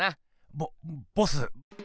ボボス。